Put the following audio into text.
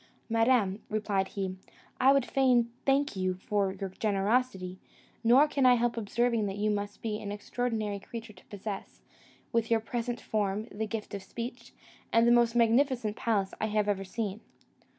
"Madam," replied he, "I would fain thank you for your generosity, nor can I help observing that you must be an extraordinary creature to possess, with your present form, the gift of speech, and the most magnificent palace I have ever seen."